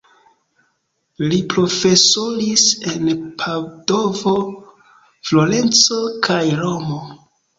Li profesoris en Padovo, Florenco kaj Romo.